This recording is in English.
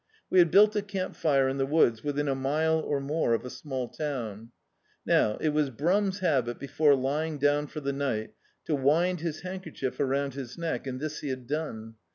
We had built a camp fire in the woods, within a mile or more of a small town. Now, it was Brum's habit, before lying down for the ni^t, to wind his handkerchief around his neck, and this he had done.